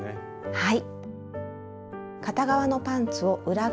はい。